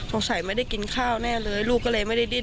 ไม่ได้กินข้าวแน่เลยลูกก็เลยไม่ได้ดิ้น